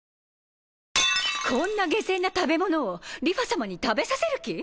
こんな下賤な食べ物を梨花さまに食べさせる気？